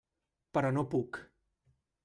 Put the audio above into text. Però no puc.